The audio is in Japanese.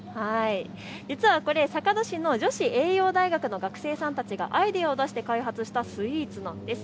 実はこれ、坂戸市の女子栄養大学の学生さんたちがアイデアを出して開発したスイーツなんです。